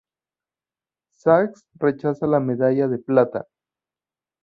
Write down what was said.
Sax rechaza la medalla de plata.